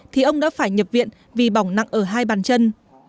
thì ông đã phải nhập viện vì bỏng nặng ở hai bàn chân